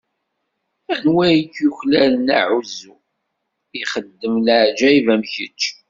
Anwa i yuklalen aɛuzzu, i ixeddmen leɛǧayeb am kečč?